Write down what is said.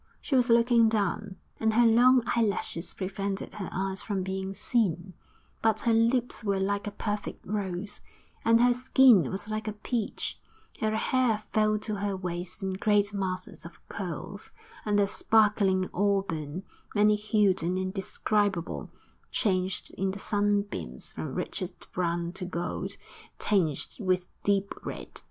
She was looking down, and her long eyelashes prevented her eyes from being seen, but her lips were like a perfect rose, and her skin was like a peach; her hair fell to her waist in great masses of curls, and their sparkling auburn, many hued and indescribable, changed in the sunbeams from richest brown to gold, tinged with deep red.